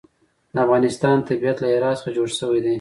د افغانستان طبیعت له هرات څخه جوړ شوی دی.